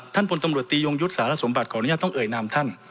พลตำรวจตียงยุทธ์สารสมบัติขออนุญาตต้องเอ่ยนามท่าน